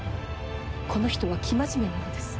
この人は生真面目なのです。